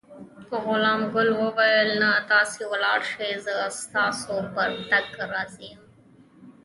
غلام ګل وویل: نه، تاسې ولاړ شئ، زه ستاسي په تګ راضي یم.